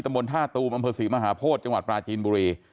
ตมธาตุบศรีมหาโพธจังหวัดปราชินบุรี